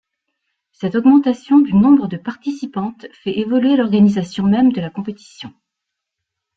Cette augmentation du nombre de participantes fait évoluer l'organisation même de la compétition.